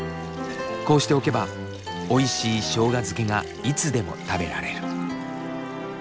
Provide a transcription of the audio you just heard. こうしておけばおいしいしょうが漬けがいつでも食べられる。